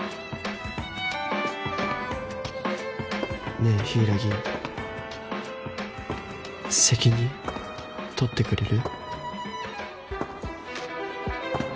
ねぇ柊責任取ってくれる？